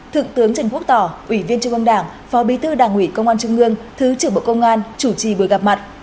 thượng tướng trần quốc tảo ủy viên trung ương đảng phó bí tư đảng ủy công an trung ương thứ trưởng bộ công an chủ trì bữa gặp mặt